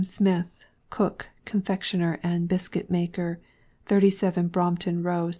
SMITH, COOK, CONFECTIONER, AND BISCUIT BAKER, 37, BROMPTON ROW, S.